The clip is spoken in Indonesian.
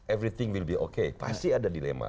everything will be okay pasti ada dilema